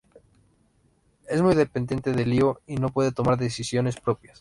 Es muy dependiente de Dio y no puede tomar decisiones propias.